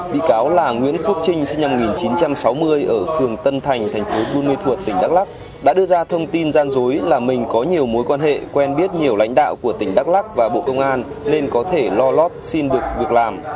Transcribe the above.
bị cáo là nguyễn quốc trinh sinh năm một nghìn chín trăm sáu mươi ở phường tân thành thành phố buôn ma thuột tỉnh đắk lắc đã đưa ra thông tin gian dối là mình có nhiều mối quan hệ quen biết nhiều lãnh đạo của tỉnh đắk lắc và bộ công an nên có thể lo lót xin được việc làm